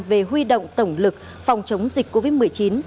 về huy động tổng lực phòng chống dịch covid một mươi chín